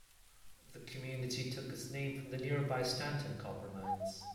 The community took its name from the nearby Stanton copper mines.